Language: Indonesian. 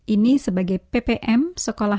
ini sebagai ppm sekolah